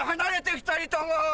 ２人とも！